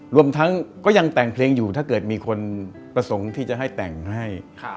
รวมทั้งก็ยังแต่งเพลงอยู่ถ้าเกิดมีคนประสงค์ที่จะให้แต่งให้